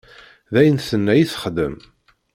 D ayen tenna i texdem.